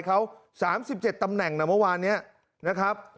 ปรับรายเค้า๓๗ตำแหน่งเมื่อวานนี้นะครับ